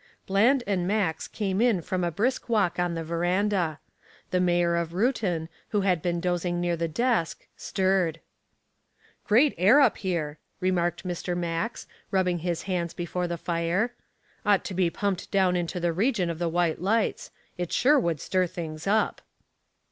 Bland and Max came in from a brisk walk on the veranda. The mayor of Reuton, who had been dozing near the desk, stirred. "Great air up here," remarked Mr. Max, rubbing his hands before the fire. "Ought to be pumped down into the region of the white lights. It sure would stir things up."